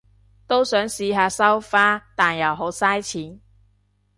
都想試下收花，但又好晒錢